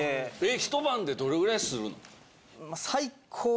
一晩でどれくらいスるの？